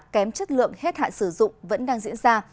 kém chất lượng hết hạn sử dụng vẫn đang diễn ra